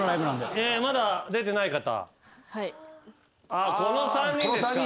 まだ出てない方。